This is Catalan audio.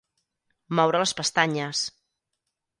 Moure les pestanyes.